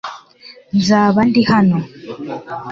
Nzaba ndi hano .